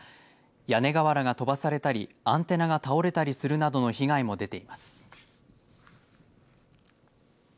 屋根瓦が飛ばされたりアンテナが倒れたりするなどの被害も出ています。